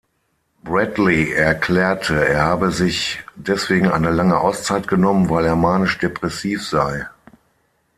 Bradley erklärte, er habe sich deswegen eine lange Auszeit genommen, weil er manisch-depressiv sei.